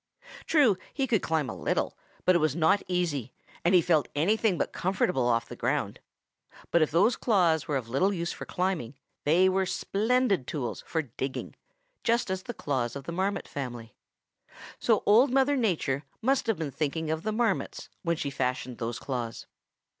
True, he could climb a little, but it was not easy, and he felt anything but comfortable off the ground. But if those claws were of little use for climbing they were splendid tools for digging, just as are the claws of the Marmot family. So Old Mother Nature must have been thinking of the Marmots when she fashioned those claws.